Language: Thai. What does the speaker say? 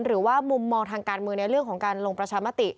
หรือว่ามุมมองทางการเมืองในเรื่องของการลงประชามติ